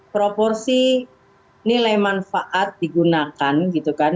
proporsi nilai manfaat digunakan gitu kan